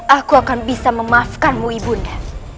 aku akan bisa memaafkanmu ibu nda